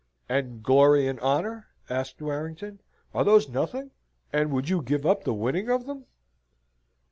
"And glory and honour?" asked Warrington, "are those nothing? and would you give up the winning of them?"